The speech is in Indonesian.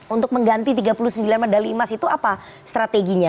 untuk mengganti tiga puluh sembilan medali emas itu apa strateginya